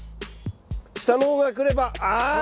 下の方がくればあい！